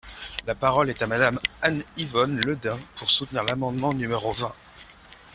La parole est à Madame Anne-Yvonne Le Dain, pour soutenir l’amendement numéro vingt.